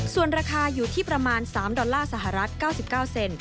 ส่วนราคาอยู่ที่ประมาณ๓ดอลลาร์สหรัฐ๙๙เซน